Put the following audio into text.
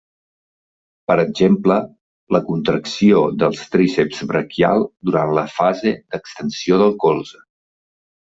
Per exemple, la contracció del tríceps braquial durant la fase d'extensió del colze.